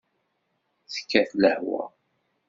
Tekkat lehwa.